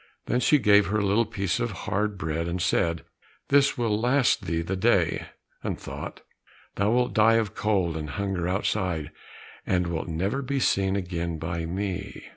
Then she gave her a little piece of hard bread, and said, "This will last thee the day," and thought, "Thou wilt die of cold and hunger outside, and wilt never be seen again by me."